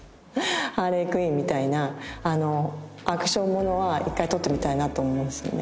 ハーレイ・クインみたいなアクションものは一回撮ってみたいなと思いますね